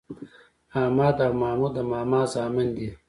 احمد او محمود د ماما زامن دي.